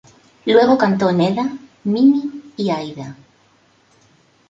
Luego cantó Nedda, Mimi y Aida.